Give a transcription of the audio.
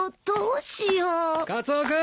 どうしよう！